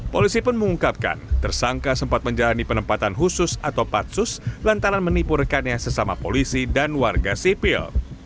polisi pun mengungkapkan tersangka sempat menjalani penempatan khusus atau patsus lantaran menipu rekannya sesama polisi dan warga sipil